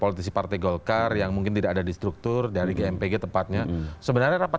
politisi partai golkar yang mungkin tidak ada di struktur dari gmpg tepatnya sebenarnya rapat